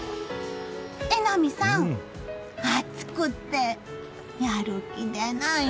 榎並さん暑くてやる気でないな。